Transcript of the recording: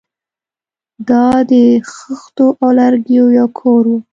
دا د خښتو او لرګیو یو کور و